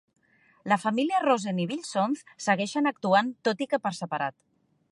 La família Rosen i Bill Shontz segueixen actuant, tot i que per separat.